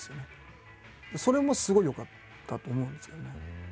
それもすごい良かったと思うんですけどね。